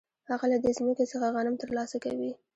هغه له دې ځمکې څخه غنم ترلاسه کوي